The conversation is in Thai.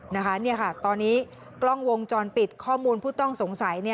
นี่ค่ะตอนนี้กล้องวงจรปิดข้อมูลผู้ต้องสงสัย